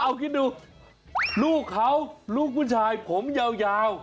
เอาคิดดูลูกเขาลูกผู้ชายผมยาว